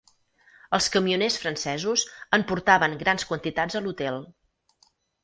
Els camioners francesos en portaven grans quantitats a l'hotel